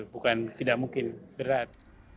bukan tidak mungkin berat